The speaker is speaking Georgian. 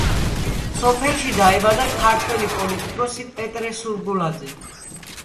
სოფელში დაიბადა ქართველი პოლიტიკოსი პეტრე სურგულაძე.